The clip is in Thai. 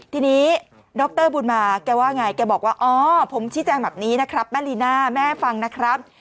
ทีนี้ดรบุญมาแกว่าไงแกบอกว่าอ๋อผมชี้แจงแบบนี้นะครับแม่ลีน่าแม่ฟังนะครับ